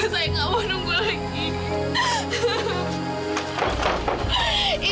saya mau nunggu lagi